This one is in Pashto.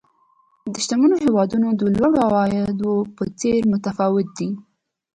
د شتمنو هېوادونو د لوړو عوایدو په څېر متفاوت دي.